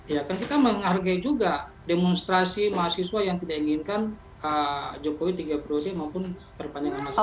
ya kan kita menghargai juga demonstrasi mahasiswa yang tidak inginkan jokowi tiga puluh d maupun perpanjangan masa ke lima belas